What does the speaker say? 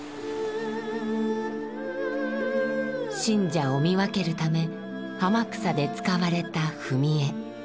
信者を見分けるため天草で使われた踏み絵。